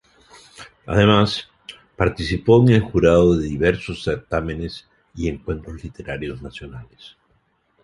Además, participó en el jurado de diversos certámenes y encuentros literarios nacionales.